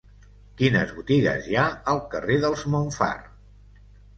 Quines botigues hi ha al carrer dels Montfar?